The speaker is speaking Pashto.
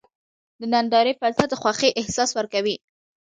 د نندارې فضا د خوښۍ احساس ورکوي.